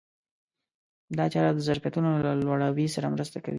دا چاره د ظرفیتونو له لوړاوي سره مرسته کوي.